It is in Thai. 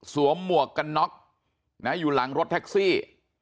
หมวกกันน็อกอยู่หลังรถแท็กซี่